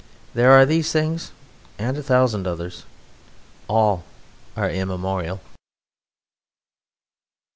There are these things and a thousand others. All are immemorial.